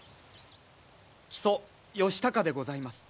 木曽義高でございます。